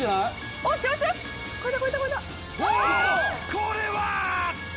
これは！